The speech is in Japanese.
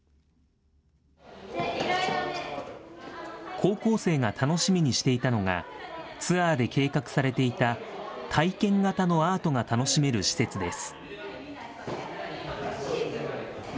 高校生が楽しみにしていたのが、ツアーで計画されていた体験型のアートが楽しめる施設です。